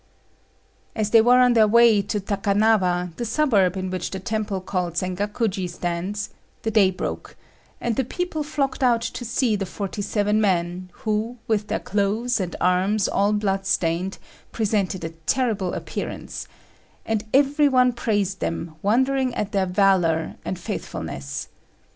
As they were on their way to Takanawa, the suburb in which the temple called Sengakuji stands, the day broke; and the people flocked out to see the forty seven men, who, with their clothes and arms all blood stained, presented a terrible appearance; and every one praised them, wondering at their valour and faithfulness.